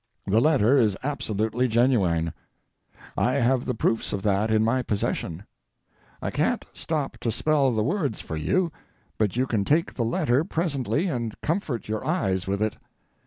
The letter is absolutely genuine—I have the proofs of that in my possession. I can't stop to spell the words for you, but you can take the letter presently and comfort your eyes with it.